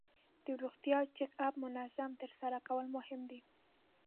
د روغتیا چک اپ منظم ترسره کول مهم دي.